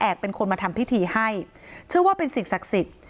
เป็นคนมาทำพิธีให้เชื่อว่าเป็นสิ่งศักดิ์สิทธิ์